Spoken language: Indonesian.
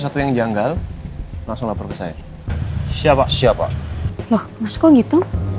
saya kalau nggak arrogant saya tak sempat